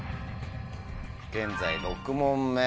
現在６問目。